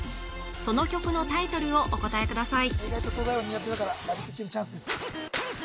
その曲のタイトルをお答えください